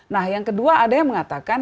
nah yang kedua ada yang mengatakan